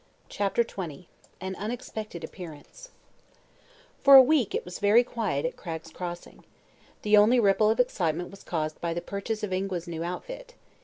CHAPTER XX AN UNEXPECTED APPEARANCE For a week it was very quiet at Cragg's Crossing. The only ripple of excitement was caused by the purchase of Ingua's new outfit.